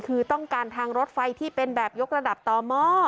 คือต้องการทางรถไฟที่เป็นแบบยกระดับต่อหม้อ